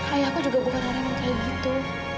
raya aku juga bukan orang yang kayak gitu